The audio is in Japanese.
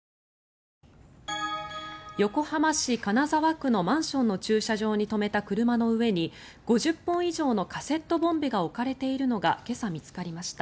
横浜市金沢区のマンションの駐車場に止めた車の上に５０本以上のカセットボンベが置かれているのが今朝、見つかりました。